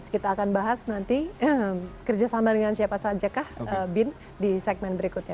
kita akan bahas nanti kerjasama dengan siapa saja kah bin di segmen berikutnya